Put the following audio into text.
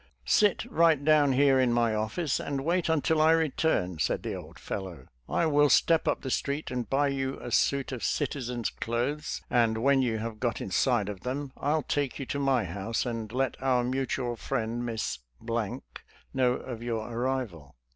'* Sit right down here in my office and wait until I return," said the old fellow. " I will step up the street and buy you a suit of citizen's SOME "ESCAPE" STORIES 203 cloth.es, and when you have got inside of them, I'll take you to my house and let our mutual friend, Miss , know of your arrival."